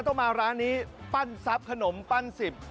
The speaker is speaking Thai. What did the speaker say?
ต้องมาร้านนี้ปั้นทรัพย์ขนมปั้นสิบ